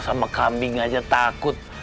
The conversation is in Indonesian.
sama kambing aja takut